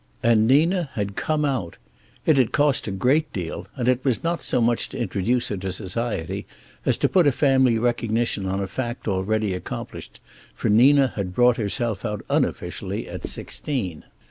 And Nina had "come out." It had cost a great deal, and it was not so much to introduce her to society as to put a family recognition on a fact already accomplished, for Nina had brought herself out unofficially at sixteen.